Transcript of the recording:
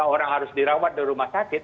orang harus dirawat di rumah sakit